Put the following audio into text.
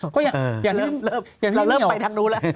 ก็อย่าเริ่มไปทางนู้นแล้ว